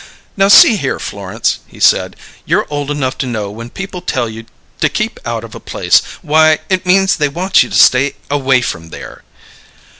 "Now, see here, Florence," he said. "You're old enough to know when people tell you to keep out of a place, why, it means they want you to stay away from there."